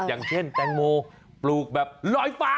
อย่างเช่นแตงโมปลูกแบบลอยฟ้า